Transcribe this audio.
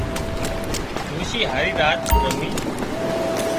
ڏوشي هاري راچ رمي